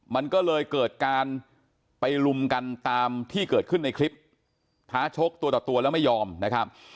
มันก็เลยเกิดการไปลุมกันตามที่เกิดขึ้นในคลิปท้าชกตัวต่อตัวแล้วไม่ยอมนะครับ